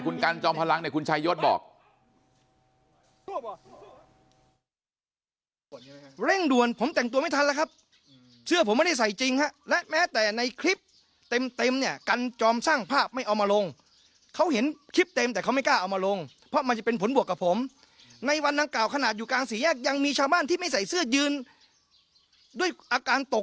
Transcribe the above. คุณกันจอมพลังเนี่ยคุณชายศบอก